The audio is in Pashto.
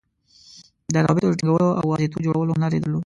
د روابطو د ټینګولو او واسطو جوړولو هنر یې درلود.